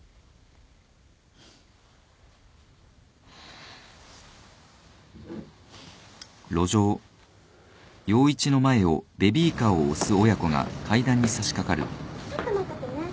あっちょっと待っててね。